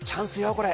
これ。